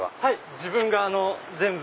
自分が全部。